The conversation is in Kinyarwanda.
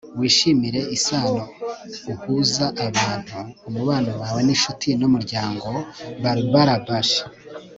wishimire isano uhuza abantu - umubano wawe n'inshuti n'umuryango. - barbara bush